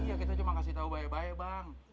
iya kita cuma kasih tahu baik baik bang